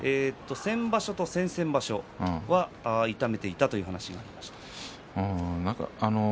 先場所と先々場所は痛めていたという話がありました。